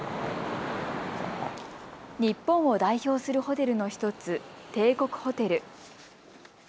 日本を代表するホテルの１つ、帝国ホテル。